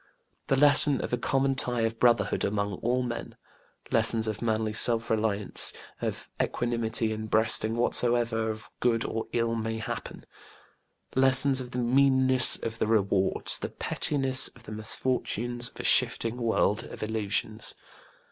The lesson of a common tie of brotherhood among all men. Lessons of manly self reliance, of equanimity in breasting whatsoever of good or ill may happen. Lessons of the meanness of the rewards, the pettiness of the misfortunes of a shifting world of illusions.